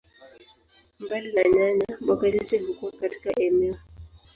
Mbali na nyanya, mboga chache hukua katika eneo.